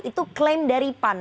itu klaim dari pan